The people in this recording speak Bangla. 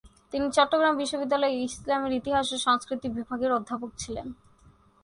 তিনি চট্টগ্রাম বিশ্ববিদ্যালয়ের ইসলামের ইতিহাস ও সংস্কৃতি বিভাগের অধ্যাপক ছিলেন।